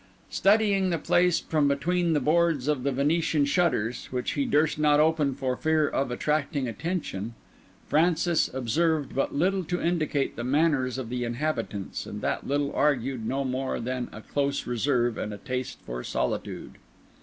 Studying the place from between the boards of the Venetian shutters, which he durst not open for fear of attracting attention, Francis observed but little to indicate the manners of the inhabitants, and that little argued no more than a close reserve and a taste for solitude.